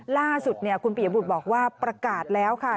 ล่าสุดคุณปียบุตรบอกว่าประกาศแล้วค่ะ